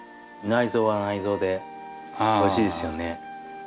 内臓は内臓でおいしいですよね。